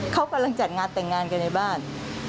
เขากำลังจัดงานแต่งงานกันในบ้าน